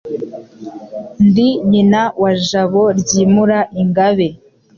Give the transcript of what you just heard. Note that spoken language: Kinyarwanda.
Ndi nyina wa Jabo Ryimura ingabe,